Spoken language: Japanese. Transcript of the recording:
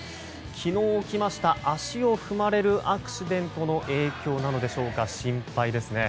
昨日起きました足を踏まれるアクシデントの影響なのでしょうか心配ですね。